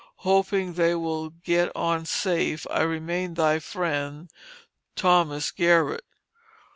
Hoping they will get on safe, I remain thy friend, THOS. GARRETT.